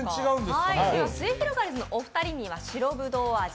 すゑひろがりずのお二人には白ぶどう味。